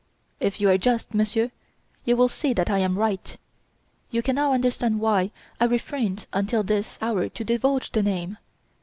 If you are just, Monsieur, you will see that I am right. You can now understand why I refrained until this hour to divulge the name.